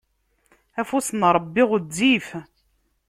Afus n Ṛebbi ɣezzif.